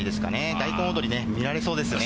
大根おどりね、見られそうですよね。